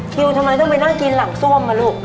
คิวทำไมต้องไปนั่งกินหลังส้วมมาลูก